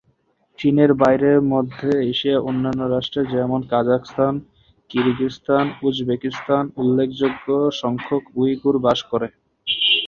চীনের বাইরে মধ্য এশিয়ার অন্যান্য রাষ্ট্র যেমন কাজাখস্তান, কিরগিজস্তান, উজবেকিস্তানে উল্লেখযোগ্য সংখ্যক উইঘুর বাস করে।